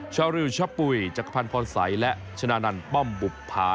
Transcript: ชาลิวชะปุ่ยจักรพรรณพรษัยและชนะนันต์ป้อมบุปพา